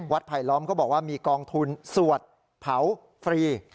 ไผลล้อมก็บอกว่ามีกองทุนสวดเผาฟรี